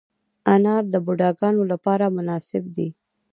انار د بوډاګانو لپاره مناسب دی.